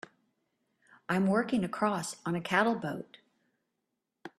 I'm working across on a cattle boat.